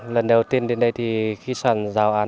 lần đầu tiên đến đây thì khi sàn giao án